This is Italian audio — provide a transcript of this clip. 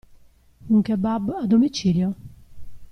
Un kebab a domicilio?